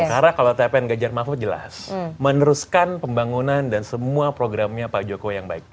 karena kalau tpn ganjar mahfud jelas meneruskan pembangunan dan semua programnya pak jokowi yang baik